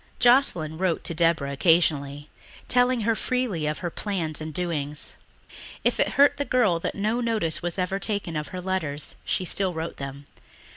Joscelyn wrote to Deborah occasionally, telling her freely of her plans and doings. If it hurt the girl that no notice was ever taken of her letters she still wrote them.